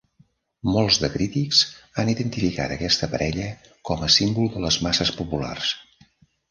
Molts de crítics han identificat aquesta parella com a símbol de les masses populars.